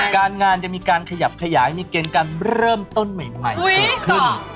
การงานจะมีการขยับขยายมีเกณฑ์การเริ่มต้นใหม่เกิดขึ้น